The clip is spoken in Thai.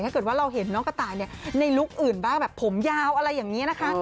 ถ้าเกิดว่าเราเห็นน้องกระต่ายในลุคอื่นบ้างแบบผมยาวอะไรอย่างนี้นะคะ